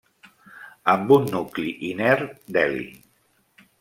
Amb un nucli inert d'heli.